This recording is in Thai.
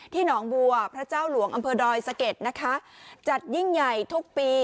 หนองบัวพระเจ้าหลวงอำเภอดอยสะเก็ดนะคะจัดยิ่งใหญ่ทุกปี